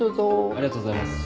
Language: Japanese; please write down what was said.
ありがとうございます。